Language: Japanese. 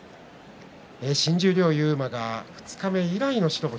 新十両勇磨が二日目以来の白星。